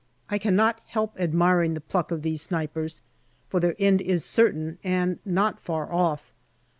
I cannot help admiring the pluck of these snipers, for their end is certain and not far off.